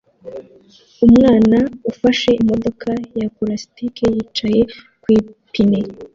Umwana ufashe imodoka ya pulasitike yicaye ku ipine